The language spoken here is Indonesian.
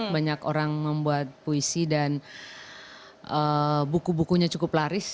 banyak orang membuat puisi dan buku bukunya cukup laris